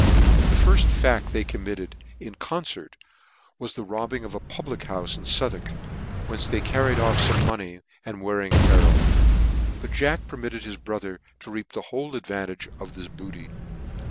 The firft faft they committed in concert was the robbing a public houfe in Southwark, whence they carried off fome money, and wearing apparel : but Jack permitted his brother to reap the whole advantage of this booty.